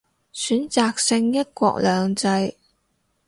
選擇性一國兩制